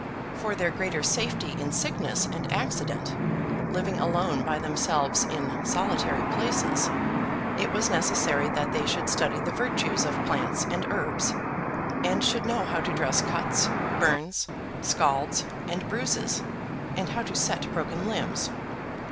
For their greater safety in sickness and accident, living alone by themselves in solitary places, it was necessary that they should study the virtues of plants and herbs, and should know how to dress cuts, burns, scalds, and bruises, and how to set broken limbs.